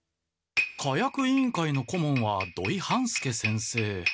火薬委員会の顧問は土井半助先生。